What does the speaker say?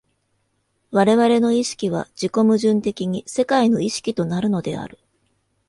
我々の意識は自己矛盾的に世界の意識となるのである。